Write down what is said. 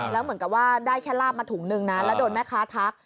แล้วเหมือนกับว่าได้แค่ลาบมาถุงนึงนะแล้วโดนแม่ค้าทัก